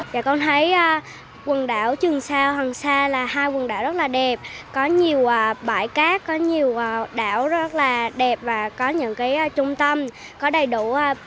và con thấy quần đảo trường sa hoàng sa là hai quần đảo rất là đẹp có nhiều bãi cát có nhiều đảo rất là đẹp và có những cái trung tâm có đầy đủ